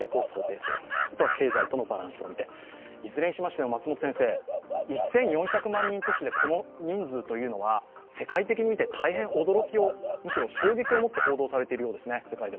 いずれにしましても１４００万人都市でこの人数というのは世界的に見て大変驚き、むしろ衝撃をもって世界で報道されているようですね？